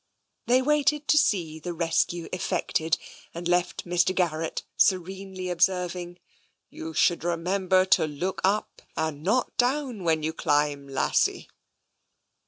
They waited to see the rescue effected, and left Mr. Garrett serenely observing, " You should remember to look up, and not down, when you climb, lassie."